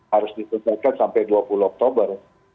harus diselesaikan sampai dua puluh oktober